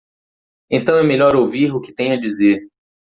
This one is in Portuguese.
Então é melhor ouvir o que tem a dizer.